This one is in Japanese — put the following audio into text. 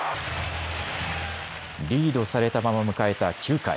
リードされたまま迎えた９回。